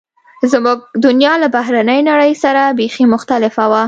زموږ دنیا له بهرنۍ نړۍ سره بیخي مختلفه وه